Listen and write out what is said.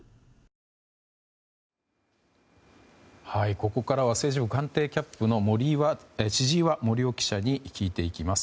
ここからは政治部官邸キャップの千々岩森生記者に聞いていきます。